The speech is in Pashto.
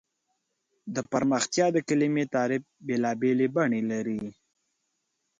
د پرمختیا د کلیمې تعریف بېلابېل بڼې لري.